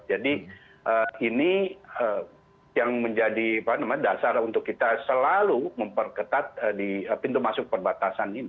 jadi ini yang menjadi dasar untuk kita selalu memperketat di pintu masuk perbatasan ini